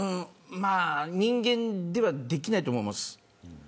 人間ではできないと思います。